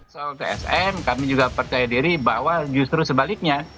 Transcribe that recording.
soal tsm kami juga percaya diri bahwa justru sebaliknya